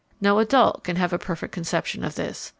No adult can have a perfect conception of this.